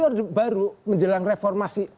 orde baru menjelang reformasi